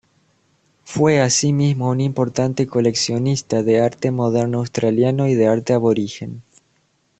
Fue asimismo un importante coleccionista de arte moderno australiano y de arte aborigen.